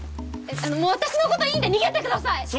もう私のこといいんで逃げてください！